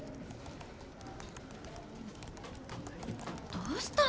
どうしたの？